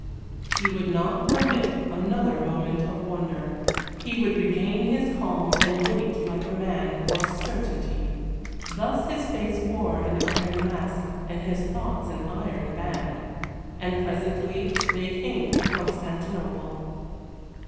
He would not permit another moment of wonder. He would regain his calm and wait like a man for certainty. Thus his face wore an iron mask and his thoughts an iron band. And presently they came to Constantinople.